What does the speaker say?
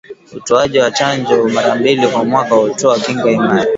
Hutoaji wa chanjo mara mbili kwa mwaka hutoa kinga imara